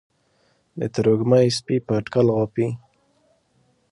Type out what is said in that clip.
د تروږمۍ سپي په اټکل غاپي